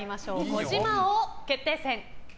児嶋王決定戦。